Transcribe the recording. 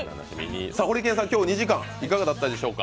ホリケンさん、今日２時間いかがだったでしょうか？